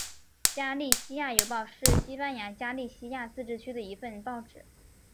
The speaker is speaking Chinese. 加利西亚邮报是西班牙加利西亚自治区的一份报纸。